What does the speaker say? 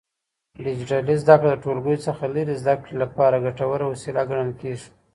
ډيجيټلي زده کړه د ټولګیو څخه لرې زده کړې لپاره ګټوره وسيله ګڼل کېږي.